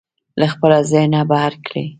له خپله ذهنه بهر کړئ.